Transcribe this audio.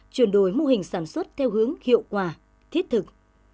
chuyển đổi mô hình sản xuất theo hướng hiệu quả thiết thực